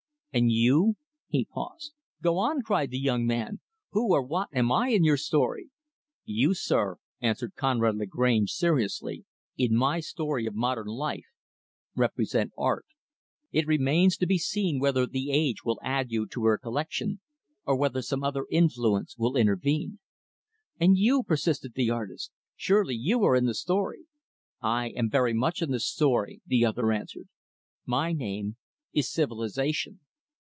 And you " he paused. "Go on," cried the young man, "who or what am I in your story?" "You, sir," answered Conrad Lagrange, seriously, "in my story of modern life, represent Art. It remains to be seen whether 'The Age' will add you to her collection, or whether some other influence will intervene." "And you" persisted the artist "surely you are in the story." "I am very much in the story," the other answered. "My name is 'Civilization.'